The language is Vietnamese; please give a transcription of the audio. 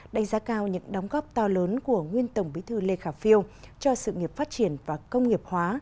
đánh giá cao những đóng góp to lớn của nguyên tổng bí thư lê khả phiêu cho sự nghiệp phát triển và công nghiệp hóa